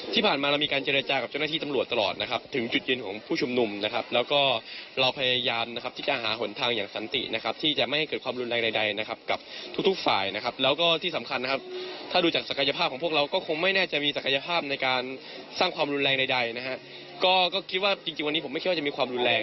ที่ผ่านมาเรามีการเจรจากับเจ้าหน้าที่ตำรวจตลอดนะครับถึงจุดยืนของผู้ชมนุมนะครับแล้วก็เราพยายามนะครับที่จะหาหนทางอย่างสันตินะครับที่จะไม่ให้เกิดความรุนแรงใดนะครับกับทุกฝ่ายนะครับแล้วก็ที่สำคัญนะครับถ้าดูจากศักยภาพของพวกเราก็คงไม่แน่จะมีศักยภาพในการสร้างความรุนแรงใดนะ